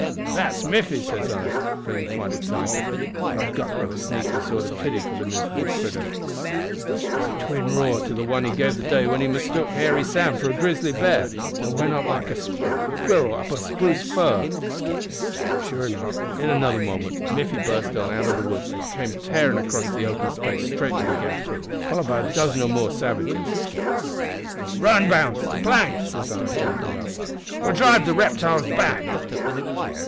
"`That's Miffy,' says I, feelin' quite excited, for I'd got to have a sneakin' sort o' pity for the miserable critter. `It's a twin roar to the one he gave that day when he mistook Hairy Sam for a grizzly b'ar, an' went up a spruce fir like a squirrel.' Sure enough, in another moment Miffy burst out o' the woods an' came tearin' across the open space straight for the gap, followed by a dozen or more savages. "`Run, Bounce the plank!' says I, jumpin' up. `We'll drive the reptiles back!'